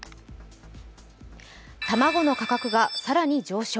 卵の価格が更に上昇。